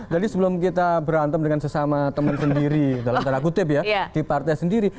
jadi sebelum kita berantem dengan sesama teman sendiri dalam talakutip ya di partai sendiri